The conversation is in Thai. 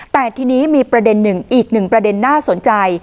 แต่ทีนี้มีประเด็นอยู่หนึ่งหน้าสนใจ